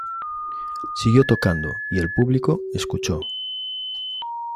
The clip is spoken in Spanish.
Siguió tocando y el público escuchó.